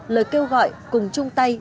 lời kêu gọi cùng chung tay